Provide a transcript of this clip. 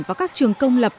vào các trường công lập